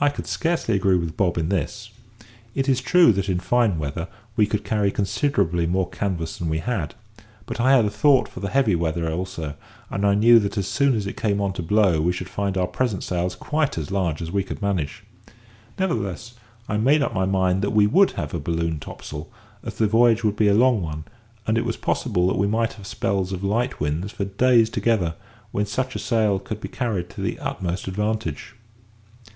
I could scarcely agree with Bob in this. It is true that in fine weather we could carry considerably more canvas than we had; but I had a thought for the heavy weather also, and I knew that as soon as it came on to blow we should find our present sails quite as large as we could manage. Nevertheless, I made up my mind that we would have a balloon topsail, as the voyage would be a long one, and it was possible that we might have spells of light winds for days together, when such a sail could be carried to the utmost advantage.